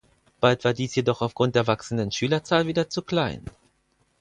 Bald war dies jedoch aufgrund der wachsenden Schülerzahl wieder zu klein.